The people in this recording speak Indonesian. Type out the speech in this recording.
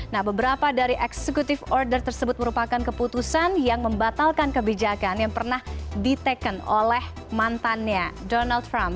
nah beberapa dari executive order tersebut merupakan keputusan yang membatalkan kebijakan yang pernah diteken oleh mantannya donald trump